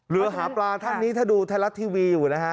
เรือหาปลาท่านนี้ถ้าดูไทยรัฐทีวีอยู่นะฮะ